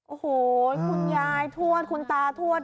โอ้โหคุณยายทวดคุณตาทวด